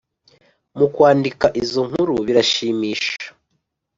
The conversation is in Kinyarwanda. mu kwandika izo nkuru birashimisha